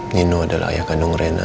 nino adalah ayah kandung rena